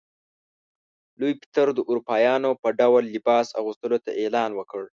لوی پطر د اروپایانو په ډول لباس اغوستلو ته اعلان وکړ.